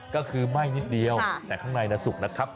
ก็คือไหม้นิดเดียวแต่ข้างในสุกนะครับ